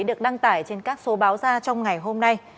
được đăng tải trên các số báo ra trong ngày hôm nay